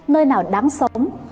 nơi nào đáng sống